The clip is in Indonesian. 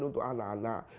yang membuat anak anak